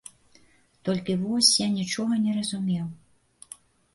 Толькі вось я нічога не разумеў.